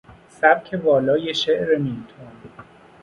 سبک والای شعر میلتون